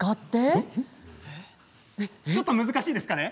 ちょっと難しいですかね。